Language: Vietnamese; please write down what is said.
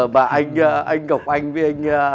mà anh ngọc oanh với anh